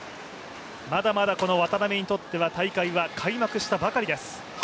まだまだ渡辺にとっては大会は開幕したばかりです。